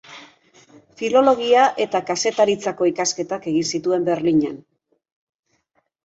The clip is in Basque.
Filologia eta kazetaritzako ikasketak egin zituen Berlinen.